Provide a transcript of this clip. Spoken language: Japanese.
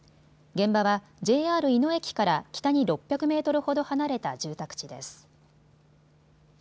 現場はＪＲ井野駅から北に６００メートルほど離れた住宅地です。